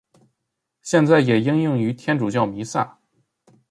现在也应用于天主教弥撒。